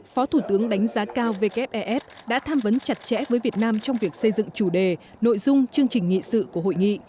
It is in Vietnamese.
phó thủ tướng đánh giá cao vkfes đã tham vấn chặt chẽ với việt nam trong việc xây dựng chủ đề nội dung chương trình nghị sự của hội nghị